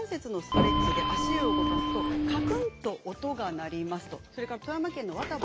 股関節のストレッチで足を動かすとかくんという音が鳴ります。